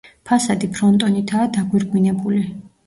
ფასადი ფრონტონითაა დაგვირგვინებული.